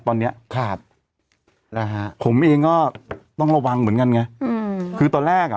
ตอนเนี้ยขาดนะฮะผมเองก็ต้องระวังเหมือนกันไงอืมคือตอนแรกอ่ะ